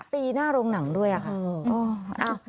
ตีหน้าโรงหนังด้วยค่ะ